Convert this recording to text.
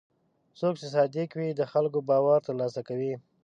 څوک چې صادق وي، د خلکو باور ترلاسه کوي.